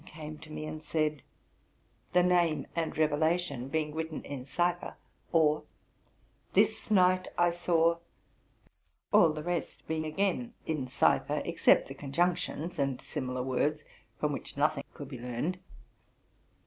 came to me, and said,'' —the name and revelation being written in cipher ; or, This night I saw,'' —all the rest being again in cipher, RELATING TO MY LIFE. ao except the conjunctions and similar words, from which noth ing could be learned.